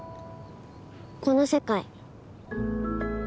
この世界